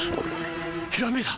ひらめいた！